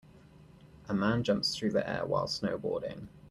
A man jumps through the air while snowboarding.